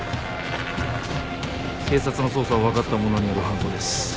警察の捜査を分かった者による犯行です。